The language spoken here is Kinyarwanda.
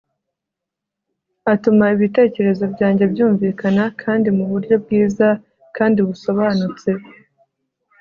atuma ibitekerezo byanjye byumvikana, kandi muburyo bwiza kandi busobanutse